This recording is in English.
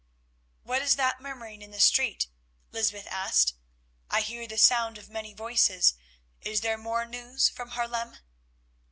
"What is that murmuring in the street?" Lysbeth asked. "I hear the sound of many voices. Is there more news from Haarlem?"